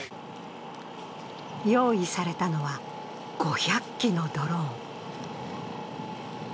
用意されたのは、５００機のドローン。